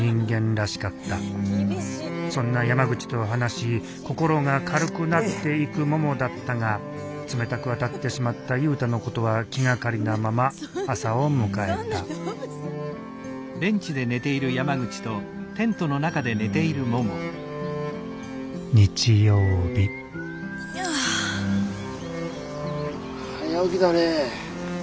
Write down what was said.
そんな山口と話し心が軽くなっていくももだったが冷たく当たってしまった雄太のことは気がかりなまま朝を迎えた早起きだね。